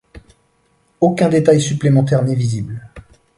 Aucun détail supplémentaire n'est visible.